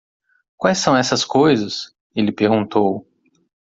"Quais são essas coisas?", ele perguntou.